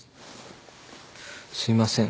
すいません